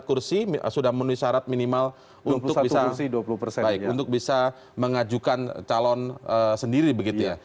dua puluh empat kursi sudah menunjukkan syarat minimal untuk bisa mengajukan calon sendiri